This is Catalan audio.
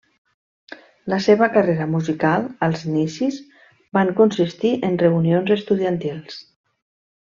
La seva carrera musical, als inicis, van consistir en reunions estudiantils.